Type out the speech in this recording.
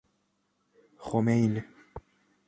خمین